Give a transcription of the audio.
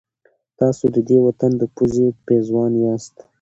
تاسو د دې وطن د پوزې پېزوان یاست.